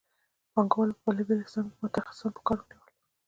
پانګوالو په بېلابېلو څانګو کې متخصصان په کار ونیول